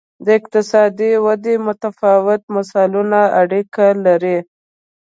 د اقتصادي ودې متفاوت مثالونه اړیکه لري.